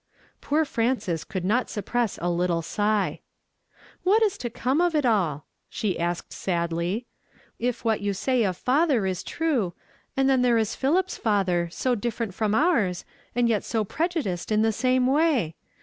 Poor Frances could not suppress a little sigh. " What is to come of it all ?" she asked sadly, " if what you say of father is true — and then there is Philip's father, so different from oui s, and yet so prejudiced in the same way.